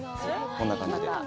こんな感じで。